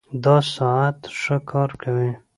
دا ساعت ښه کار کوي